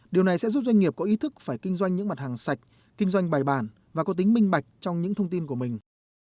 điều này sẽ giúp doanh nghiệp có ý thức phải kinh doanh những mặt hàng sạch kinh doanh bài bản và có tính minh bạch trong những thông tin của mình